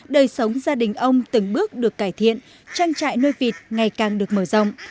đời sống gia đình ông từng bước được cải thiện trang trại nuôi vịt ngày càng được mở rộng